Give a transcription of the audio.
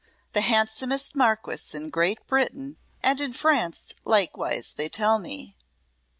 The handsomest Marquess in Great Britain, and in France likewise, they tell me."